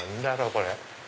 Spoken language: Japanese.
これ。